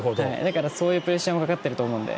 そういうプレッシャーもかかってると思うので。